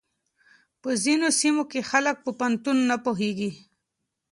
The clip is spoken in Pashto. په ځينو سيمو کې خلک په پوهنتون نه پوهېږي.